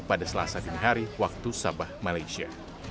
pada selasa dini hari waktu sabah malaysia